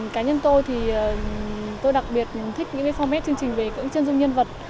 cá nhân tôi thì tôi đặc biệt thích những format chương trình về những chân rung nhân vật